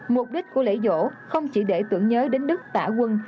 mục đích của lễ vỗ không chỉ để tưởng nhớ đến đức tả quân